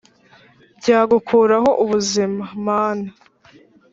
bya gukuraho ubuzima!mana,